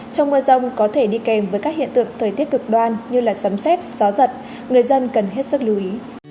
trong mưa rông có thể đi kèm với các hiện tượng thời tiết cực đoan như sấm xét gió giật người dân cần hết sức lưu ý